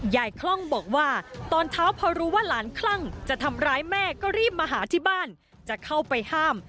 คล่องบอกว่าตอนเช้าพอรู้ว่าหลานคลั่งจะทำร้ายแม่ก็รีบมาหาที่บ้านจะเข้าไปห้าม